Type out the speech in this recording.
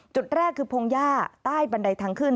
จุดแรกคือพงหญ้าใต้บันไดทางขึ้น